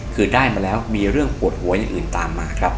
คือได้มาแล้วมีเรื่องปวดหัวอย่างอื่นตามมาครับ